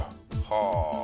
はあ。